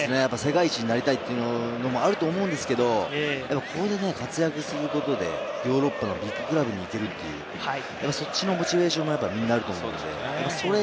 世界一になりたいというのもあると思うんですけど、ここで活躍することでヨーロッパのビッグクラブにいけるという、そっちのモチベーションがみんなあると思います。